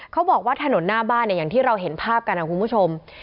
เขาบอกว่าถนนหน้าบ้านเนี่ยอย่างที่เราเห็นภาพกันนะคุณผู้ชม